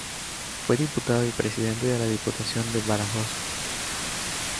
Fue diputado y presidente de la diputación de Badajoz.